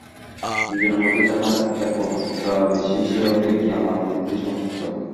দুইজনের মধ্যে যাহার একাগ্রতা বেশী, সেই অধিক জ্ঞান লাভ করিতে সমর্থ।